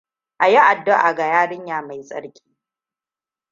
A yi addu'a ga yarinya mai tsarki.